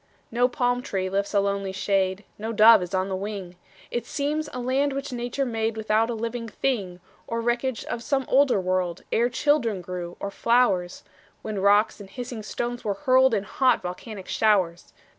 No palm tree lifts a lonely shade, No dove is on the wing; It seems a land which Nature made Without a living thing, Or wreckage of some older world, Ere children grew, or flowers, When rocks and hissing stones were hurled In hot, volcanic showers.